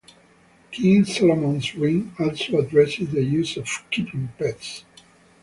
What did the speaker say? "King Solomon's Ring" also addresses the issue of keeping pets.